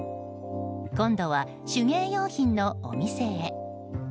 今度は手芸用品のお店へ。